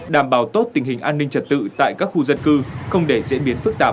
đảm bảo tốt tình hình an ninh trật tự tại các khu dân cư không để diễn biến phức tạp